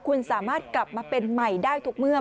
คุณสามารถกลับมาเป็นใหม่ได้ทุกเมื่อ